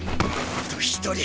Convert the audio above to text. あと１人！